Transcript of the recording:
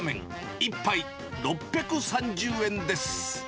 １杯６３０円です。